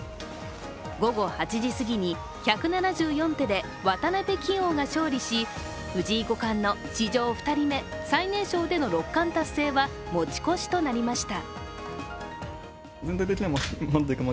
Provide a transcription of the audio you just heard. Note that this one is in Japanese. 午後８時すぎに１７４手で渡辺棋王が勝利し藤井五冠の史上２人目最年少での六冠達成は持ち越しとなりました。